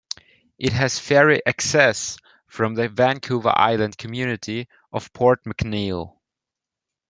It has ferry access from the Vancouver Island community of Port McNeill.